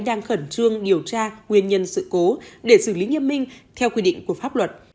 đang khẩn trương điều tra nguyên nhân sự cố để xử lý nghiêm minh theo quy định của pháp luật